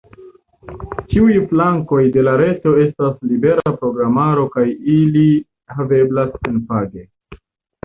Ĉiuj flankoj de la reto estas libera programaro kaj ili haveblas senpage.